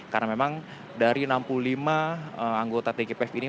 karena memang dari enam puluh lima anggota tgpf ini